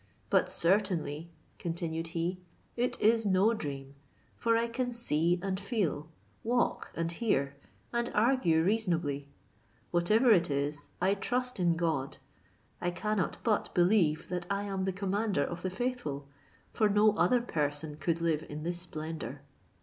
But certainly," continued he, "it is no dream; for I can see and feel, walk and hear, and argue reasonably; whatever it is, I trust in God; I cannot but believe that I am the commander of the faithful, for no other person could live in this splendour.